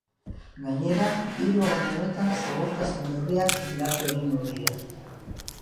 Gainera, hiru egun hauetan segurtasun-neurriak indartu egingo dira.